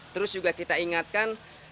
terus juga kita ingatkan